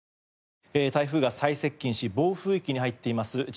ええ台風が最接近し暴風域に入っています